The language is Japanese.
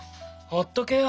ほっとけよ。